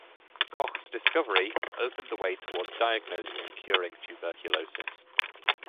Koch's discovery opened the way toward diagnosing and curing tuberculosis.